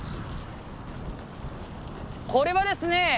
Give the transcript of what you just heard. これはですね